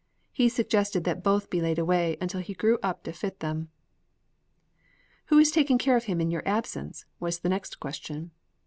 He suggested that both be laid away until he grew up to fit them." "Who is taking care of him in your absence?" was the next question.